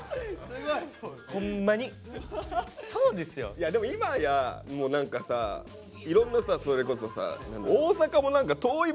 いやでも今やもう何かさいろんなさそれこそさ。